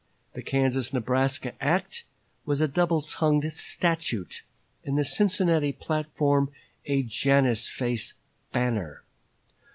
The Kansas Nebraska act was a double tongued statute, and the Cincinnati platform a Janus faced banner.